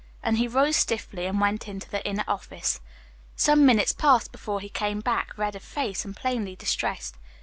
And he rose stiffly and went into the inner office. Some minutes passed before he came back, red of face, and plainly distressed.